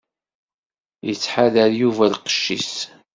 Yettḥadar Yuba lqecc-is.